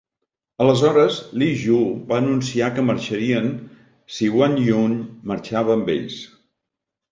Aleshores, Li Jue va anunciar que marxarien si Wang Yun marxava amb ells.